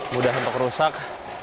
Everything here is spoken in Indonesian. mudah untuk rusak